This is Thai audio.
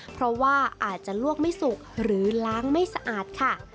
เพราะว่าอาจจะลวกไม่สุกหรือล้างไม่สะอาดค่ะ